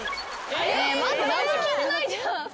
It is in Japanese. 待って何も聞いてないじゃん。